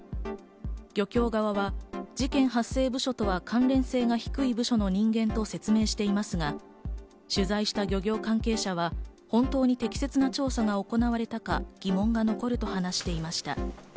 漁協側が事件発生部署とは関連性が低い部署の人間と説明していますが取材した漁協関係者は本当に適切な調査が行われたか疑問が残ると話していました。